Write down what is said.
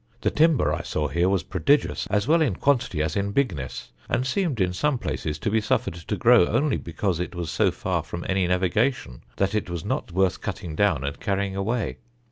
The timber I saw here was prodigious, as well in quantity as in bigness; and seemed in some places to be suffered to grow only because it was so far from any navigation, that it was not worth cutting down and carrying away.